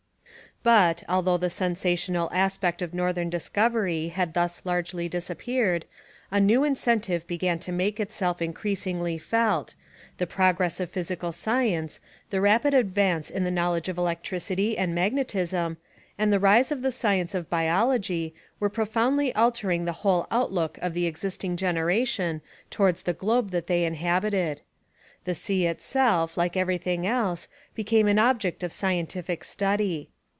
But, although the sensational aspect of northern discovery had thus largely disappeared, a new incentive began to make itself increasingly felt; the progress of physical science, the rapid advance in the knowledge of electricity and magnetism, and the rise of the science of biology were profoundly altering the whole outlook of the existing generation towards the globe that they inhabited. The sea itself, like everything else, became an object of scientific study.